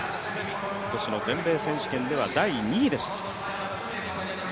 今年の全米選手権では第２位でした。